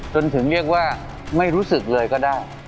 จนถึงเรียกว่าไม่รู้สึกเลยก็ได้